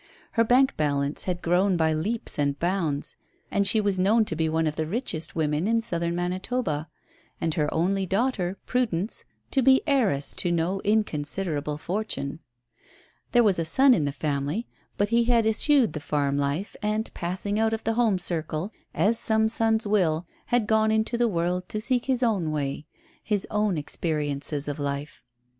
Her bank balance had grown by leaps and bounds, and she was known to be one of the richest women in Southern Manitoba, and her only daughter, Prudence, to be heiress to no inconsiderable fortune. There was a son in the family, but he had eschewed the farm life, and passing out of the home circle, as some sons will, had gone into the world to seek his own way his own experiences of life.